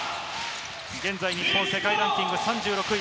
現在、日本、世界ランキング３６位。